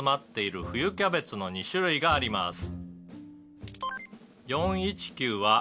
キャベツの２種類があります」